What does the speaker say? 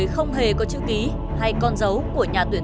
không phải phôto hay công chứng gì cả